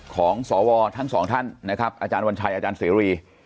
ของสวทางสองท่านนะครับ